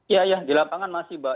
ya ya di lapangan masih mbak